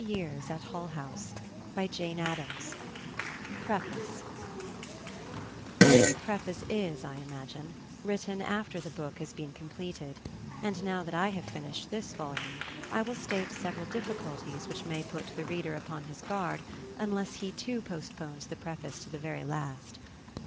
[Editor: Mary Mark Ockerbloom] PREFACE Every preface is, I imagine, written after the book has been completed and now that I have finished this volume I will state several difficulties which may put the reader upon his guard unless he too postpones the preface to the very last.